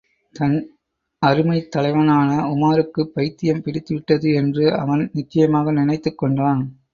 தன் அருமைத் தலைவனான உமாருக்குப் பைத்தியம் பிடித்துவிட்டது என்று அவன் நிச்சயமாக நினைத்துக் கொண்டான்.